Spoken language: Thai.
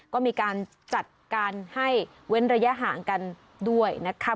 ก็มีการจัดการให้เว้นระยะห่างกันด้วยนะคะ